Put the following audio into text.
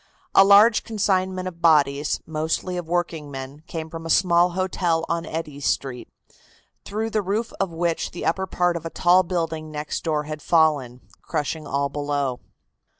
A large consignment of bodies, mostly of workingmen, came from a small hotel on Eddy Street, through the roof of which the upper part of a tall building next door had fallen, crushing all below.